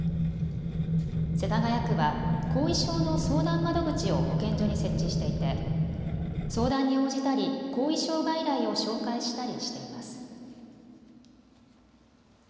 世田谷区は後遺症の相談窓口を保健所に設置していて相談に応じたり後遺症外来を紹介したりしています。